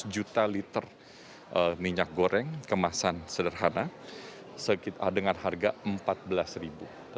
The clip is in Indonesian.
sebelas juta liter minyak goreng kemasan sederhana dengan harga rp empat belas